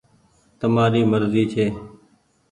تمآري مرزي ڇي۔